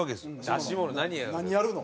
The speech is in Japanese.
出し物何やるの？